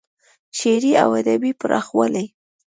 شعري او ادبي پراخوالی